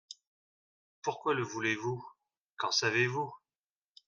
Pourquoi le voulez-vous ? qu’en savez-vous ?